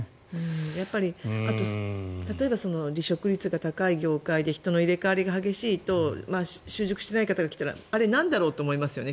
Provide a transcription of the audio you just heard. あと例えば離職率が高い業界で人の入れ替わりが激しいと習熟していない方が来たらあれ、なんだろうと思いますよね。